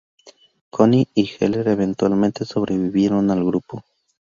Kohn y Heller eventualmente sobrevivieron al Grupo.